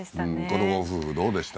このご夫婦どうでした？